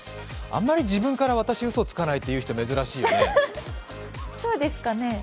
あんまり自分から、私うそつかないって言う人珍しいよね。